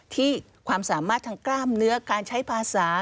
ที่ความสามารถทางกล้ามเนื้อการใช้ภาษา